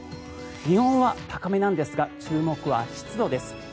気温は高めなんですが注目は湿度です。